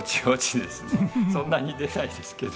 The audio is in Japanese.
そんなに出ないですけど。